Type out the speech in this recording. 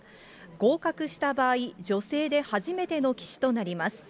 合格した場合、女性で初めての棋士となります。